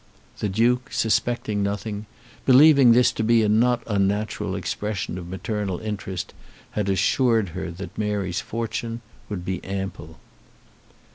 The Duke suspecting nothing, believing this to be a not unnatural expression of maternal interest, had assured her that Mary's fortune would be ample.